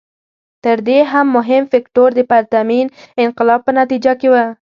تر دې هم مهم فکټور د پرتمین انقلاب په نتیجه کې و.